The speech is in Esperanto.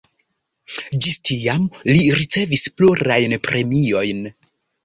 Ĝis tiam li ricevis plurajn premiojn.